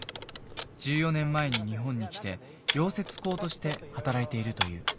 １４年前に日本に来て溶接工として働いているという。